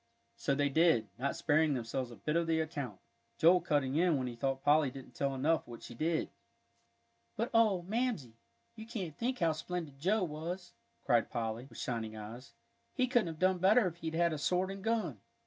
So they did, not sparing themselves a bit of the account, Joel cutting in when he thought Polly didn't tell enough what she did. "But oh, Mamsie, you can't think how splendid Joe was!" cried Polly, with shining eyes; "he couldn't have done better if he'd had a sword and gun."